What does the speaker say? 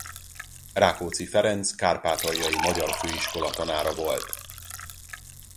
Rákóczi Ferenc Kárpátaljai Magyar Főiskola tanára volt.